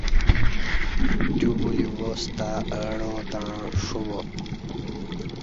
دیوبولی واس تہ اہ ڈاں تݩع ݜوبا